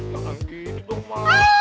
makan gitu mah